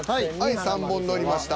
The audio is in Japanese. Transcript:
はい３本乗りました。